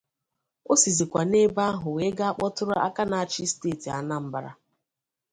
O sizịkwa n'ebe ahụ wee ga kpọtụrụ aka na-achị steeti Anambra